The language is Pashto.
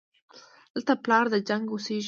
دلته پلار د جنګ اوسېږي